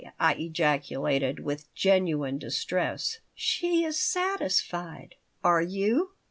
I ejaculated, with genuine distress "She is satisfied." "Are you?"